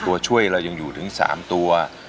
ตัวช่วยเรายังอยู่ถึง๓ตัว